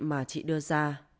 và chị đưa ra